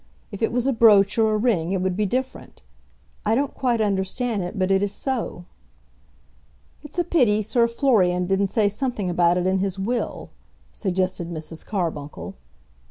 If it was a brooch or a ring it would be different. I don't quite understand it, but it is so." "It's a pity Sir Florian didn't say something about it in his will," suggested Mrs. Carbuncle.